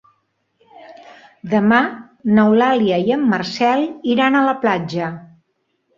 Demà n'Eulàlia i en Marcel iran a la platja.